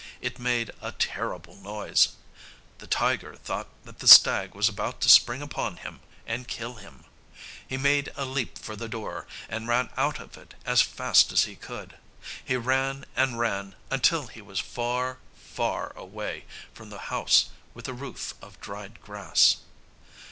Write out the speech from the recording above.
It made a terrible noise. The tiger thought that the stag was about to spring upon him and kill him. He made a leap for the door and ran out of it as fast as he could. He ran and ran until he was far, far away from the house with the roof of dried grass.